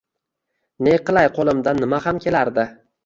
Ne qilay, qo'limdan nimaham kelardi.